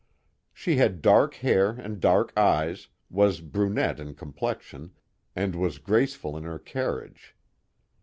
She had dark hair and dark eyes, was brunette in complexion, and was graceful in her carriage.